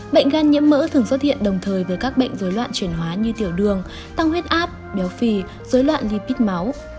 bệnh gan nhiễm mỡ thường xuất hiện đồng thời với các bệnh dối loạn chuyển hóa như tiểu đường tăng huyết áp béo phì dối loạn lipid máu